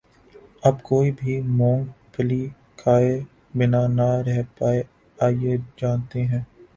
اب کوئی بھی مونگ پھلی کھائے بنا نہ رہ پائے آئیے جانتے ہیں